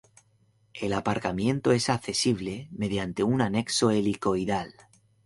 El aparcamiento es accesible mediante un anexo helicoidal.